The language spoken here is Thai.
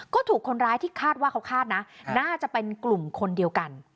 ก็ถูกคนร้ายที่คาดว่าเขาคาดนะน่าจะเป็นกลุ่มคนเดียวกัน